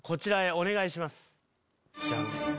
お願いします。